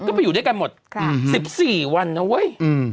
ก็ไปอยู่ด้วยกันหมด๑๔วันนะเว้ย